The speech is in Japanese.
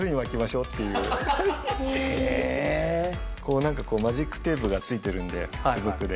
なんかこうマジックテープが付いてるので付属で。